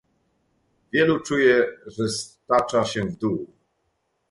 Wielu czuje, że stacza się w dół